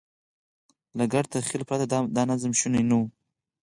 له ګډ تخیل پرته دا نظم شونی نه و.